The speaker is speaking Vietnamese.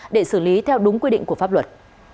để xử lý theo đúng quy định của pháp luật